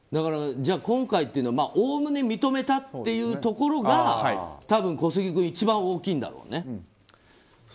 じゃあ今回はおおむね認めたというところが多分、小杉君一番大きいんだろうね。